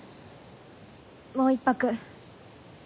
もう１泊。